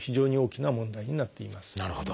なるほど。